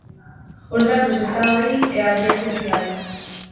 Os datos están aí e audiencia si hai.